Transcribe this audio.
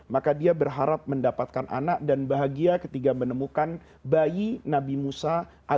maka dia berharap mendapatkan anak dan bahagia ketika menemukan bayi nabi musa